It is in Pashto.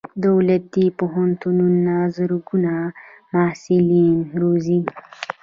دولتي پوهنتونونه زرګونه محصلین روزي.